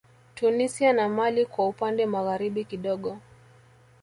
Tunisia na mali kwa upande magharibi kidogo